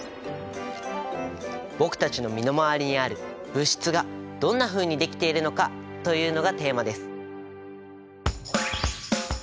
僕たちの身の回りにある物質がどんなふうにできているのかというのがテーマです。